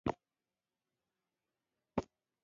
یو برټانوي صاحب منصب وژل شوی و.